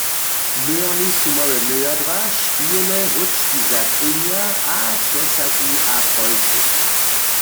W myjerni su małe myjadła, špihele, hóčki za trjenja a česaki a polcy.